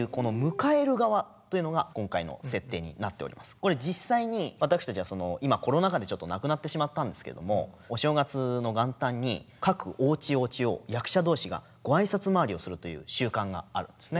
これ実際に私たちは今コロナ禍でちょっとなくなってしまったんですけどもお正月の元旦に各おうちおうちを役者同士がごあいさつ回りをするという習慣があるんですね。